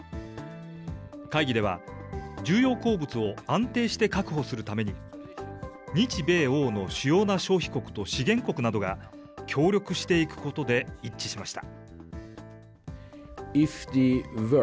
会議では重要鉱物を安定して確保するために、日米欧の主要な消費国と資源国などが協力していくことで一致しました。